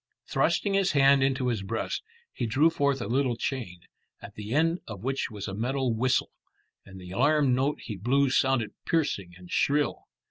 Thrusting his hand into his breast, he drew forth a little chain, at the end of which was a metal whistle, and the alarm note he blew sounded piercing and shrill.